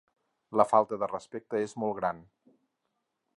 La falta de respecte és molt gran.